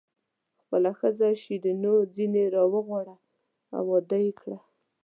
خپله ښځه شیرینو ځنې راوغواړه او واده یې کړه.